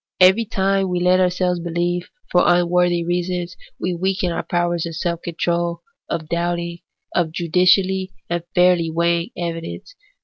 Every time we let ourselves believe for unworthy reasons, we weaken our powers of self control, of doubting, of judicially and fairly weighing evidence.